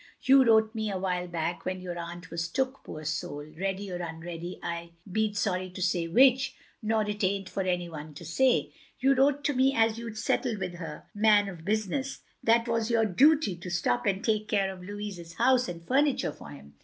"You wrote me, awhile back, when your aimt was took, poor soul, (ready or tinready, 1 be 'd sorry to say which, nor it ain't for any one to say), you wrote me as you 'd settled with her man of btisiness that 't was your dooty to stop and take care of Louis's house and furniture for him."